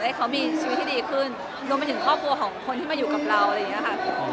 ให้เขามีชีวิตที่ดีขึ้นรวมไปถึงครอบครัวของคนที่มาอยู่กับเราอะไรอย่างนี้ค่ะ